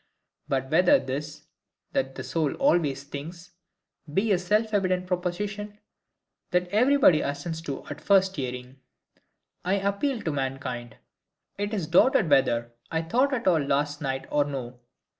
But whether this, "That the soul always thinks," be a self evident proposition, that everybody assents to at first hearing, I appeal to mankind. It is doubted whether I thought at all last night or no.